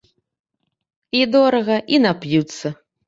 І дорага, і нап'юцца.